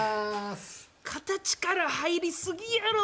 形から入り過ぎやろ。